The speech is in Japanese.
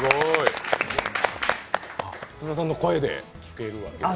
津田さんの声で聞けるわけですね。